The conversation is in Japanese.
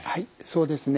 そうですね。